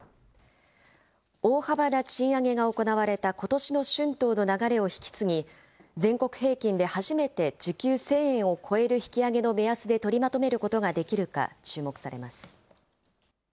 大幅な賃上げが行われたことしの春闘の流れを引き継ぎ、全国平均で初めて時給１０００円を超える引き上げの目安で取りまとめることができるか注目されます。